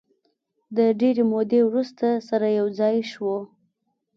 د ډېرې مودې وروسته سره یو ځای شوو.